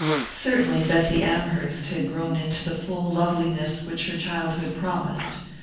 Certainly Bessy Amherst had grown into the full loveliness which her childhood promised.